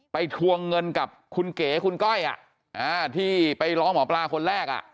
ทวงเงินกับคุณเก๋คุณก้อยที่ไปร้องหมอปลาคนแรก